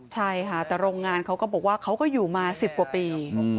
ใช่ค่ะแต่โรงงานเขาก็บอกว่าเขาก็อยู่มา๑๐กว่าปี